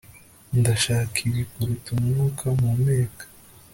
ndashaka ibi kuruta umwuka mpumeka